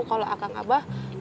kalau akan abah